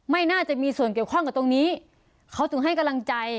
ไม่น่าจะมีส่วนเกี่ยวข้องกับตรงนี้เขาถึงให้กำลังใจ